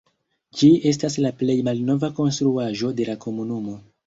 Ĝi estas la plej malnova konstruaĵo de la komunumo.